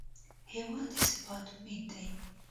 هېواد د ثبات امید دی.